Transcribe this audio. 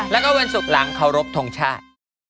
แล้วก็เวลสุครั้งเขารบทรงชาติ